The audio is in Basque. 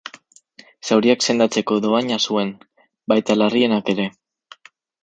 Zauriak sendatzeko dohaina zuen, baita larrienak ere.